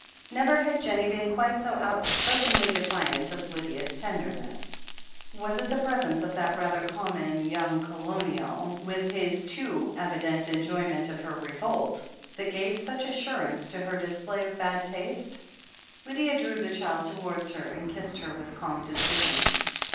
Never had Jennie been quite so outspokenly defiant of Lydia's tenderness. Was it the presence of that rather common young Colonial, with his too evident .*• 366 THE HEEL OF ACHILLES enjoyment of her revolt, that gave such assurance to her display of bad taste ? Lydia drew the child towards her, and kissed her with calm decision.